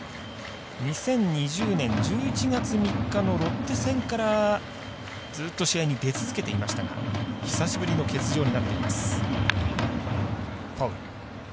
２０２０年１１月３日のロッテ戦からずっと試合に出続けていましたが久しぶりの欠場になっています。